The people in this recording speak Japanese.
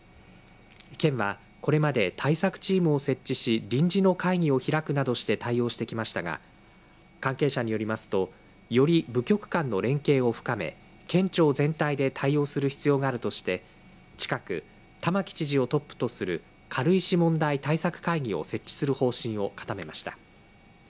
県はこれまで対策チームを設置し臨時の会議を開くなどして対応してきましたが関係者によりますとより部局間の連携を深め、県庁全体で対応する必要があるとして近く、玉城知事をトップとする軽石問題対策会議を設置する方針を固めました。